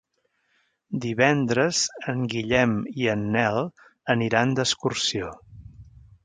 Divendres en Guillem i en Nel aniran d'excursió.